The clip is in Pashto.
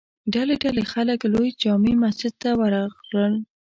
ډلې ډلې خلک لوی جامع مسجد ته ور راغلل.